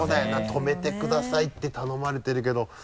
「止めてください」って頼まれてるけど。